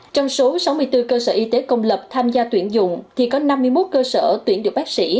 trong số sáu mươi bốn cơ sở y tế công lập tham gia tuyển dụng thì có năm mươi một cơ sở tuyển được bác sĩ